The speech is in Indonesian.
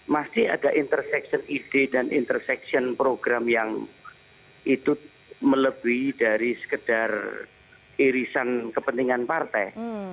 masih ada intersection ide dan intercection program yang itu melebihi dari sekedar irisan kepentingan partai